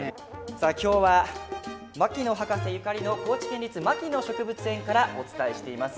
さあ今日は牧野博士ゆかりの高知県立牧野植物園からお伝えしています。